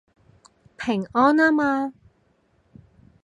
平安吖嘛